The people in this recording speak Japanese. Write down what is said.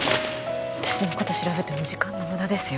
私のこと調べても時間の無駄ですよ